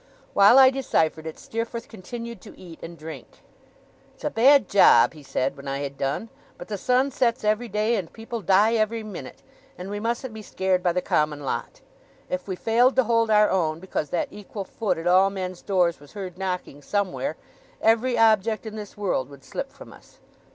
While I deciphered it, Steerforth continued to eat and drink. 'It's a bad job,' he said, when I had done; 'but the sun sets every day, and people die every minute, and we mustn't be scared by the common lot. If we failed to hold our own, because that equal foot at all men's doors was heard knocking somewhere, every object in this world would slip from us.